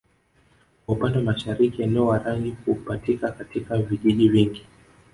Kwa upande wa mashariki eneo Warangi hupatika katika vijiji vingi